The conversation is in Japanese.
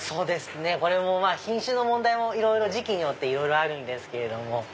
これも品種の問題もいろいろ時期によってあるんですけど。